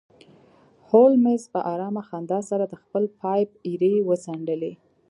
هولمز په ارامه خندا سره د خپل پایپ ایرې وڅنډلې